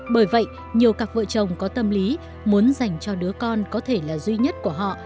bởi vậy nhiều cặp vợ chồng có tâm lý muốn dành cho đứa con có thể là duy nhất của họ